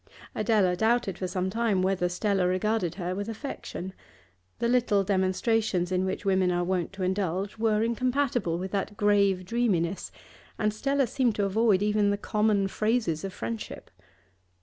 Adela doubted for some time whether Stella regarded her with affection; the little demonstrations in which women are wont to indulge were incompatible with that grave dreaminess, and Stella seemed to avoid even the common phrases of friendship.